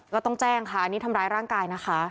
ก็ต้องแจ้งค่ะอันนี้ทำร้ายร่างกายนะคะ